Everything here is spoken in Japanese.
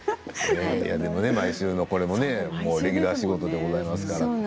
毎週のこれもレギュラー仕事でございますから。